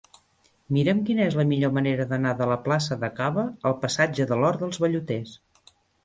Mira'm quina és la millor manera d'anar de la plaça de Caba al passatge de l'Hort dels Velluters.